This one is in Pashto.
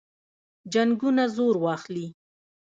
جنګونه زور واخلي.